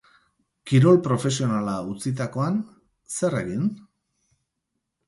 Kirol profesionala utzitakoan, zer egin?